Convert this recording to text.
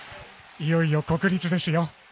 いよいよ国立ですよ。